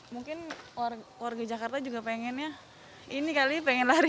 mungkin warga jakarta juga pengennya ini kali pengen lari